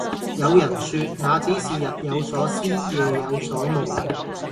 有人說那只是日有所思夜有所夢